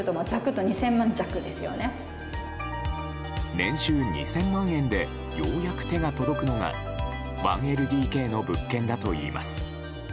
年収２０００万円でようやく手が届くのが１ＬＤＫの物件だといいます。